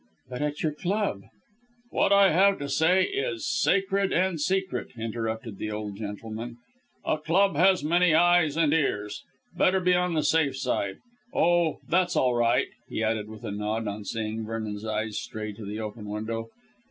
"But at your club " "What I have to say is sacred and secret," interrupted the old gentleman. "A club has many eyes and many ears. Better be on the safe side. Oh, that's all right," he added with a nod, on seeing Vernon's eyes stray to the open window.